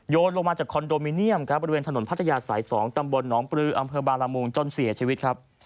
ลงมาจากคอนโดมิเนียมครับบริเวณถนนพัทยาสาย๒ตำบลหนองปลืออำเภอบาลมุงจนเสียชีวิตครับ